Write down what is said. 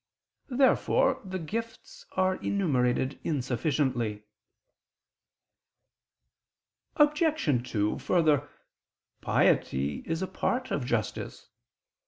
Therefore the gifts are enumerated insufficiently. Obj. 2: Further, piety is a part of justice.